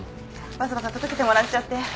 わざわざ届けてもらっちゃって。